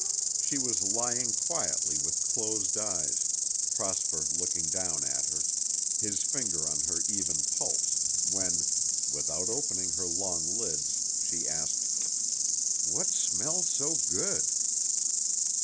She was lying quietly with closed eyes, Prosper looking down at her, his finger on her even pulse, when, without opening her long lids, she asked, "What smells so good?"